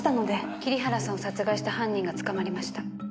桐原さんを殺害した犯人が捕まりました。